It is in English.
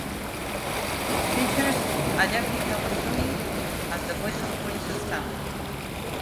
It features Ayako Kawasumi as the voice of Princess Tama.